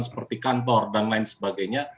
seperti kantor dan lain sebagainya